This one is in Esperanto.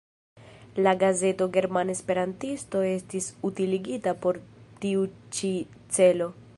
La gazeto "Germana Esperantisto" estis utiligata por tiu ĉi celo.